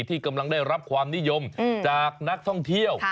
ที่กำลังได้รับความนิยมจากนักท่องเที่ยว